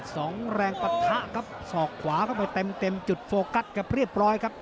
สองแรงปะทะครับศอกขวาเข้าไปเต็มเต็มจุดโฟกัสกับเรียบร้อยครับ